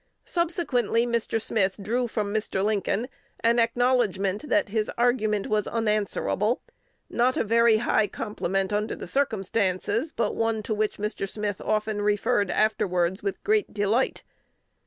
Subsequently Mr. Smith drew from Mr. Lincoln an acknowledgment that his argument was unanswerable, not a very high compliment under the circumstances, but one to which Mr. Smith often referred afterwards with great delight.